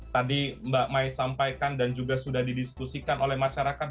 tadi mbak mai sampaikan dan juga sudah didiskusikan oleh masyarakat